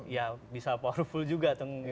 ya bisa powerful juga